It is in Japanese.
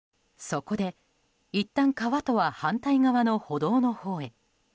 そこで、いったん川とは反対側の歩道のほうへ。